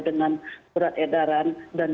dengan surat edaran dan